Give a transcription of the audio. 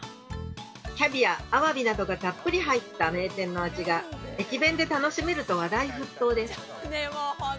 キャビア、アワビなどがたっぷり入った名店の味が駅弁で楽しめると話題沸騰です。